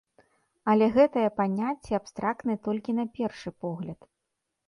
Але гэтае паняцце абстрактнае толькі на першы погляд.